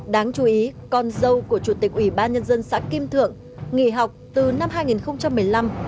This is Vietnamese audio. đáng chú ý con dâu của chủ tịch ủy ban nhân dân xã kim thượng nghỉ học từ năm hai nghìn một mươi năm